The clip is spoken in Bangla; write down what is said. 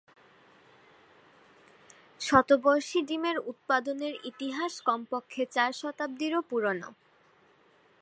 শতবর্ষী ডিমের উৎপাদনের ইতিহাস কমপক্ষে চার শতাব্দীরও পুরনো।